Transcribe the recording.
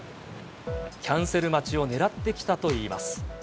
キャンセル待ちを狙って来たといいます。